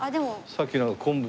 さっきのあの昆布。